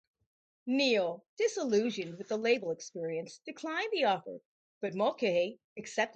Neal, disillusioned with the label experience, declined the offer; but Mulcahy accepted.